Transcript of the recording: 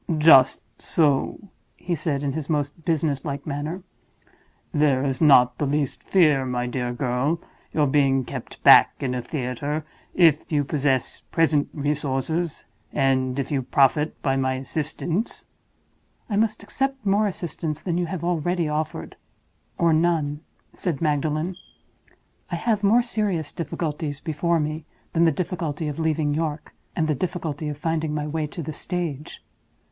"Just so," he said, in his most business like manner. "There is not the least fear, my dear girl, of your being kept back in a theater, if you possess present resources, and if you profit by my assistance." "I must accept more assistance than you have already offered—or none," said Magdalen. "I have more serious difficulties before me than the difficulty of leaving York, and the difficulty of finding my way to the stage."